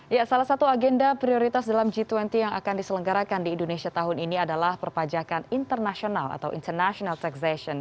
ya salah satu agenda prioritas dalam g dua puluh yang akan diselenggarakan di indonesia tahun ini adalah perpajakan internasional atau international taxation